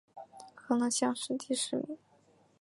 河南乡试第十名。